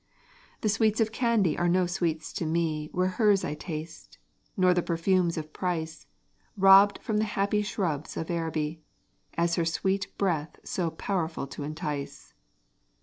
The sweets of Candy are no sweets to me Where hers I taste: nor the perfumes of price, Robbed from the happy shrubs of Araby, As her sweet breath so powerful to entice.